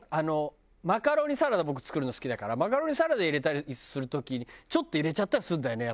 マカロニサラダ僕作るの好きだからマカロニサラダに入れたりする時ちょっと入れちゃったりするんだよね